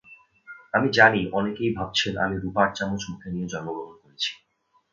আমি জানি অনেকেই ভাবছেন আমি রুপার চামচ মুখে নিয়ে জন্মগ্রহণ করেছি।